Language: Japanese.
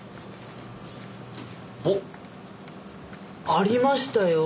おっありましたよ。